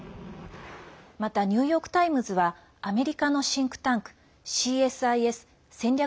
また、ニューヨーク・タイムズはアメリカのシンクタンクＣＳＩＳ＝戦略